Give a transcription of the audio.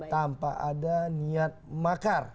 tanpa ada niat makar